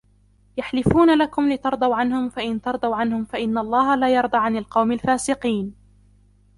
يَحْلِفُونَ لَكُمْ لِتَرْضَوْا عَنْهُمْ فَإِنْ تَرْضَوْا عَنْهُمْ فَإِنَّ اللَّهَ لَا يَرْضَى عَنِ الْقَوْمِ الْفَاسِقِينَ